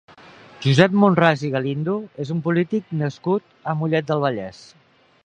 Josep Monràs i Galindo és un polític nascut a Mollet del Vallès.